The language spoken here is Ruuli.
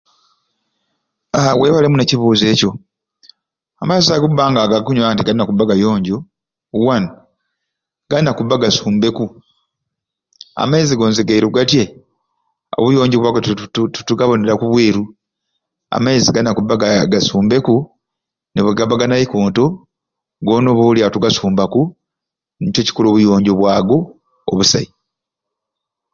Aahh webale muno ekibuzo ekyo, amaizi ago okuba nga gakunywa gayina okuba nga gayonjo wanu galina kubba gasumbeku, amaizi gonze geeru gatyai obuyonjo bwago titutu titugabonera kubweru amaizi galina kubba ga gasumbeku nibugaba ganaikonto gona oba olyawo tugasumbaku nikyo kikola obuyonjo bwago obusai.